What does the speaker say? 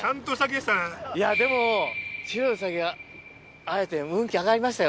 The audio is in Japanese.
いやでも白いウサギ会えて運気上がりましたよ